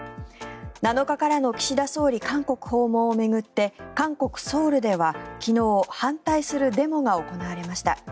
７日からの岸田総理、韓国訪問を巡って韓国ソウルでは昨日反対するデモが行われました。